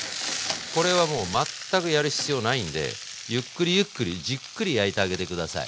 これはもう全くやる必要ないんでゆっくりゆっくりじっくり焼いてあげて下さい。